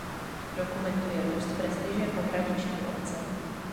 Dokumentuje růst prestiže pohraniční obce.